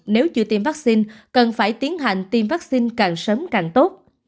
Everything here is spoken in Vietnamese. nếu chưa tiêm vaccine cần phải tiến hành tiêm vaccine càng sớm càng tốt